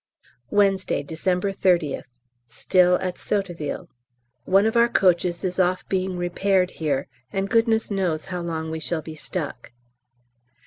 Wednesday, December 30th. Still at Sotteville. One of our coaches is off being repaired here, and goodness knows how long we shall be stuck.